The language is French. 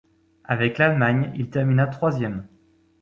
Avec l'Allemagne, il termina troisième.